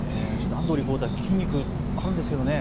安藤リポーター、筋肉あるんですけどね。